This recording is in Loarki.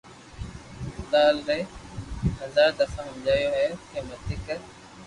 لال ني ھزار دفہ ھمجاويو ھي ڪي متي ڪر